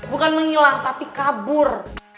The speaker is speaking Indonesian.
bukan mengilang tapi kabur